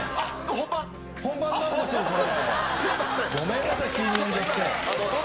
本番なんですよ、これ。